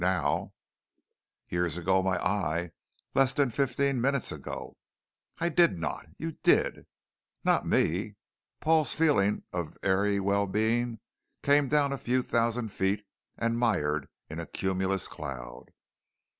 Now " "Years ago, my eye. Less than fifteen minutes ago " "I did not." "You did." "Not me." Paul's feeling of airy well being came down a few thousand feet and mired in a cumulus cloud.